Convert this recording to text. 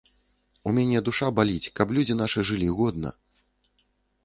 У мяне душа баліць, каб людзі нашы жылі годна!